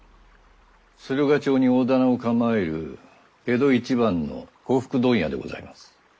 駿河町に大店を構える江戸一番の呉服問屋でございます。